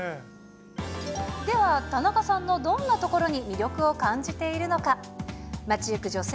では、田中さんのどんなところに魅力を感じているのか。